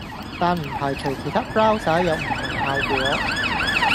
但唔排除其他 Browser 有唔同效果